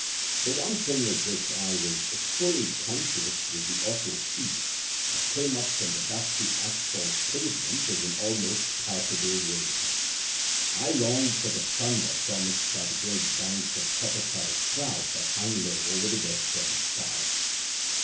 The one thing of which I was fully conscious was the awful heat, that came up from the dusty asphalt pavement as an almost palpable wave. I longed for the thunder promised by the great banks of copper coloured cloud that hung low over the western sky.